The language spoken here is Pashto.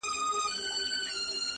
اې گوره تاته وايم ـ